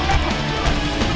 gak ada masalah